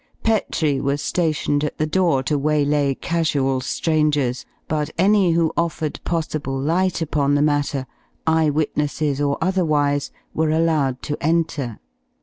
Petrie was stationed at the door to waylay casual strangers, but any who offered possible light upon the matter, eye witnesses or otherwise, were allowed to enter.